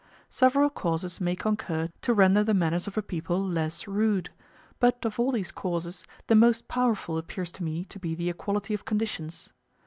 Several causes may concur to render the manners of a people less rude; but, of all these causes, the most powerful appears to me to be the equality of conditions.